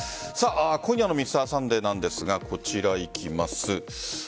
今夜の「Ｍｒ．サンデー」なんですがこちらいきます。